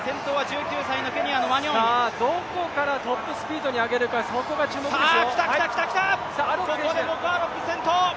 どこからトップスピードに上げるか注目ですよ。